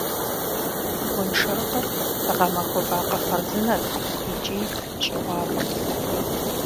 Гуэншэрыкъыр гъэмахуэ вакъэ хъарзынэт икӀи щӀыгъуафӀэт.